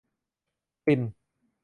คลินต์